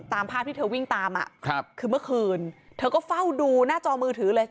ตามภาพที่เธอวิ่งตามอ่ะครับคือเมื่อคืนเธอก็เฝ้าดูหน้าจอมือถือเลย